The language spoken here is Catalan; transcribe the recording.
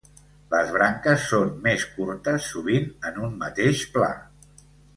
Les branques són més curtes, sovint en un mateix pla.